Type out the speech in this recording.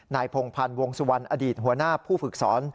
พงพันธ์วงสุวรรณอดีตหัวหน้าผู้ฝึกสอน